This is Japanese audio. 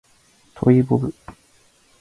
トイボブ